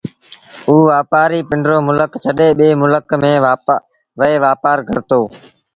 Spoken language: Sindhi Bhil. اُ وآپآري پنڊرو ملڪ ڇڏي ٻي ملڪ ميݩ وهي وآپآر ڪرتو